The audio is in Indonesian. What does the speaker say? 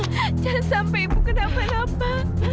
jangan sampai ibu kedampan apa